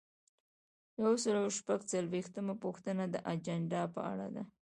یو سل او شپږ څلویښتمه پوښتنه د اجنډا په اړه ده.